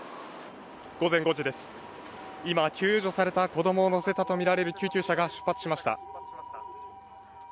午前５時です、今、救助された子供を乗せたとみられる救急車が出発しました。